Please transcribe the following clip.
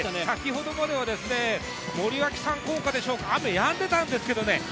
先ほどまでは森脇さん効果でしょうか、雨、やんでたんですけどね。